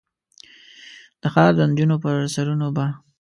د ښار د نجونو پر سرونو به ،